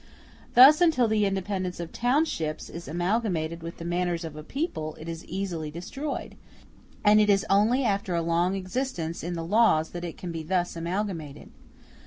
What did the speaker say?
Thus until the independence of townships is amalgamated with the manners of a people it is easily destroyed, and it is only after a long existence in the laws that it can be thus amalgamated.